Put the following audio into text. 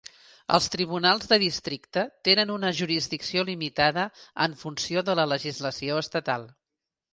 Els tribunals de districte tenen una jurisdicció limitada en funció de la legislació estatal.